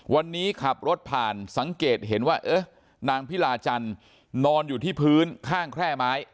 วันนี้ขับรถผ่านสังเกตเห็นว่านางพิลาจันทร์นอนอยู่ที่พื้นข้างแคร่ไม้